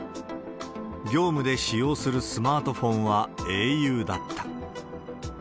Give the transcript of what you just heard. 業務で使用するスマートフォンはａｕだった。